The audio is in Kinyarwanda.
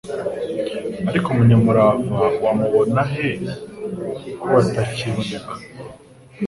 ariko umunyamurava wamubona he kobatakiboneka